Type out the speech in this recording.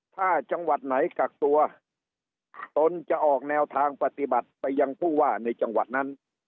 ถ้าจังหวัดไหนกักตัวตนจะออกแนวทางปฏิบัติไปยังผู้ว่าในจังหวัดนั้น